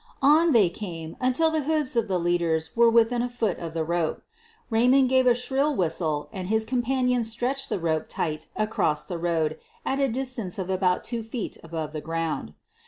On they came, until the hoofs of the leaders were within a foot of the rope. Eaymond gave a shrill whistle and his companions stretched the rope tight across the road at a distance of about two feet above the ground.